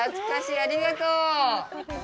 ありがとう！